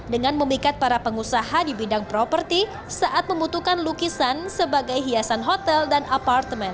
dengan memikat para pengusaha di bidang properti saat membutuhkan lukisan sebagai hiasan hotel dan apartemen